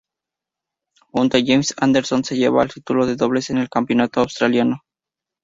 Junto a James Anderson se llevan el título de dobles en el Campeonato Australiano.